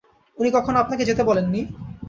উনি কখনো আপনাকে যেতে বলেন নি?